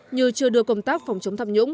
như chưa đưa công tác phòng chống tham nhũng